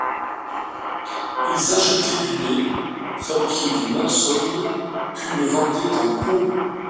Ils achetaient du lait, fabriquaient du matsoni, puis le vendaient en pots.